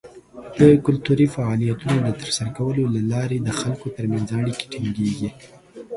د کلتوري فعالیتونو د ترسره کولو له لارې د خلکو تر منځ اړیکې ټینګیږي.